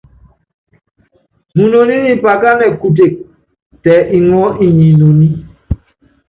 Munoní nyi pakánɛ kutek, tɛ iŋɔɔ́ inyi inoní.